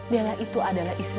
bella itu adalah istrinya